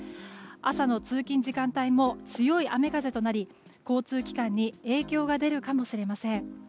朝の通勤時間帯も強い雨風となり交通機関に影響が出るかもしれません。